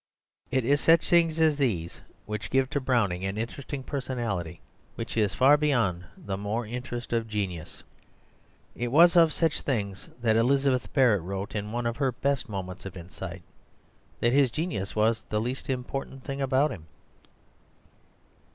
It is such things as these which give to Browning an interest of personality which is far beyond the more interest of genius. It was of such things that Elizabeth Barrett wrote in one of her best moments of insight that his genius was the least important thing about him.